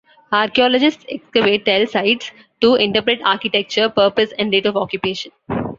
Archaeologists excavate tell sites to interpret architecture, purpose, and date of occupation.